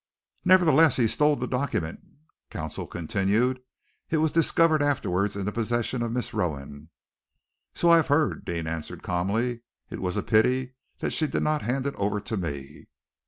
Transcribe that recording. "Nevertheless, he stole the document," counsel continued. "It was discovered afterwards in the possession of Miss Rowan." "So I have heard," Deane answered calmly. "It was a pity that she did not hand it over to me."